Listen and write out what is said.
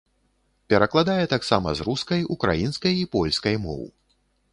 Перакладае таксама з рускай, украінскай і польскай моў.